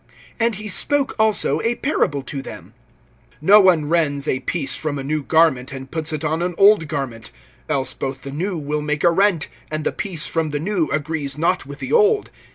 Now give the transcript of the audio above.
(36)And he spoke also a parable to them: No one rends a piece from a new garment, and puts it on an old garment; else both the new will make a rent, and the piece from the new agrees not with the old.